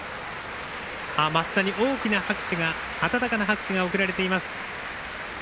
升田に大きな拍手温かな拍手が送られています。